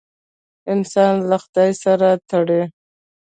انسان له خدای سره تړي.